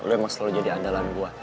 lu emang selalu jadi andalan gua